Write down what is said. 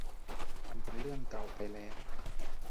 มันเป็นเรื่องเก่าไปแล้ว